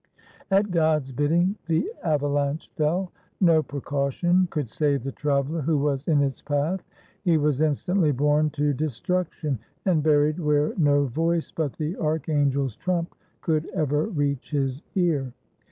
At God's bidding the avalanche fell. No precaution "5 ITALY could save the traveler who was in its path. He was instantly borne to destruction, and buried where no voice but the archangel's trump could ever reach his ear.